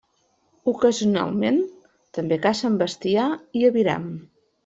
Ocasionalment també cacen bestiar i aviram.